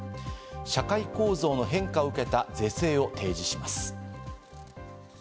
社会構造の変化を受けた是正を提示します。